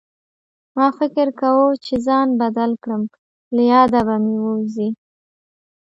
ما فکر کوه چې ځای بدل کړم له ياده به مې ووځي